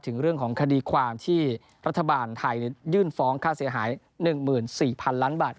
ถึงเรื่องของคดีความที่รัฐบาลไทยยื่นฟ้องค่าเสียหาย๑๔๐๐๐ล้านบาท